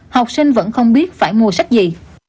học sinh vẫn không biết phải mua sách gì